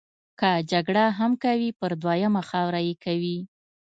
که جګړه هم کوي پر دویمه خاوره یې کوي.